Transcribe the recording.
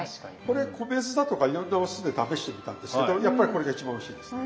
これ米酢だとかいろんなお酢で試してみたんですけどやっぱりこれが一番おいしいですね。